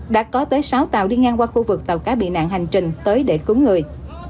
đã có tới sáu tàu đi ngang qua khu vực tàu cá bị nạn hành trình tới để cứu người